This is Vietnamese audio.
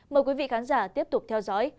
mời quý vị khán giả tiếp tục theo dõi